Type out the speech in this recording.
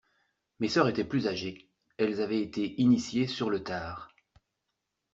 Mes sœurs étaient plus âgées. Elles avaient été initiées sur le tard